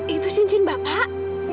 itu cincin bapak